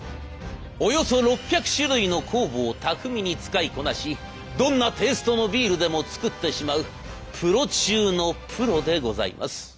およそ６００種類の酵母を巧みに使いこなしどんなテイストのビールでも造ってしまうプロ中のプロでございます。